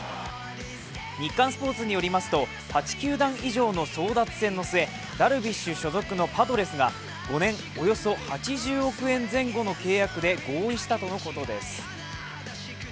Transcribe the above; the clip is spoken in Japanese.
日刊スポ−ツによりますと、８球団以上の争奪戦の末、ダルビッシュ所属のパドレスが５年およそ８０億円前後の契約で合意したとのことです。